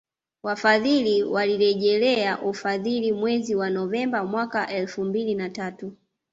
Wafadhili walirejelea ufadhili mwezi wa Novemba mwaka elfu mbili na tatu